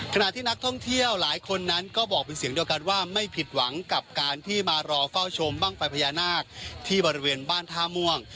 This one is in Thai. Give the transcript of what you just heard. ขณะที่นักท่องเที่ยวหลายคนนั้นก็บอกเป็นเสียงเดียวกันว่าไม่ผิดหวังกับการที่มารอเฝ้าชมบ้างไฟพญานาคที่บริเวณบ้านท่าม่วง